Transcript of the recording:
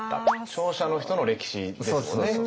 勝者の人の歴史ですもんね。